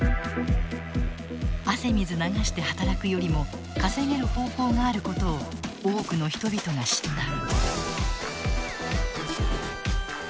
汗水流して働くよりも稼げる方法があることを多くの人々が知った。